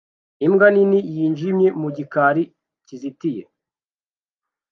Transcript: Imbwa nini yijimye mu gikari kizitiye